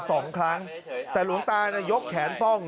สองครั้งแต่หลวงตาน่ะยกแขนป้อง